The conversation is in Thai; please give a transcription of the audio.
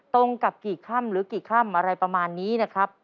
ตรงกับกี่ค่ำหรือกี่ค่ำอะไรประมาณนี้นะครับ